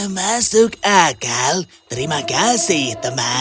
masuk akal terima kasih